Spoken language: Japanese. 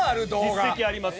実績あります。